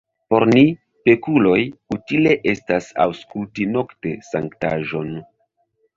Por ni, pekuloj, utile estas aŭskulti nokte sanktaĵon!